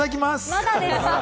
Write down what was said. まだです。